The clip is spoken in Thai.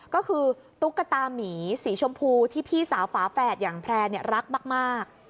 ก็คือตุ๊กตามีสีชมพูที่พี่สาวฝาแฝดอย่างแพร่รักมาก